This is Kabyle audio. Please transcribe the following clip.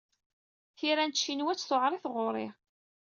Tira n tcinwat tewɛeṛ i tɣuṛi.